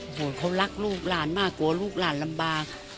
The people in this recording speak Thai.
โอ้โหเขารักลูกหลานมากกลัวลูกหลานลำบาก